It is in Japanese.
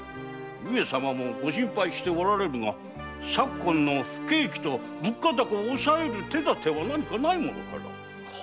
上様もご心配しておられるが昨今の不景気と物価高を抑える手だては何かないものか？